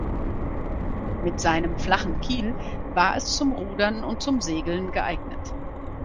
Mit seinem flachen Kiel war es zum Rudern und zum Segeln geeignet.